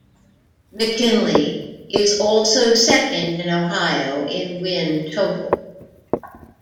McKinley is also second in Ohio in win total.